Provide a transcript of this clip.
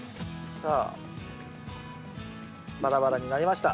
さあバラバラになりました。